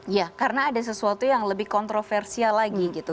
ya karena ada sesuatu yang lebih kontroversial lagi gitu